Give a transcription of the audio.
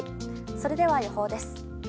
それでは、予報です。